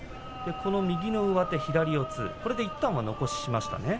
右の上手左四つでいったんは残しましたね。